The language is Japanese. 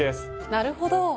なるほど。